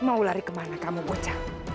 mau lari kemana kamu ucap